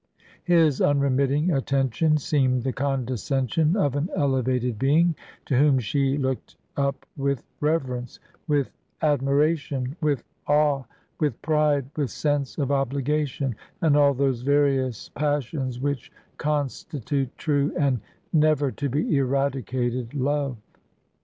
His unremitting attention seemed the condescension of an elevated being, to whom she looked up with reverence, with admiration, with awe, with pride, with sense of obligation and all those various passions which constitute true, and never to be eradicated, love.